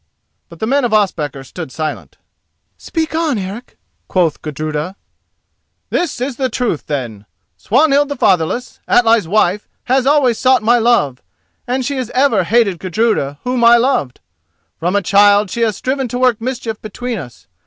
but the men of Ospakar stood silent. "Speak on, Eric," quoth Gudruda. "This is the truth, then: Swanhild the Fatherless, Atli's wife, has always sought my love, and she has ever hated Gudruda whom I loved. From a child she has striven to work mischief between us.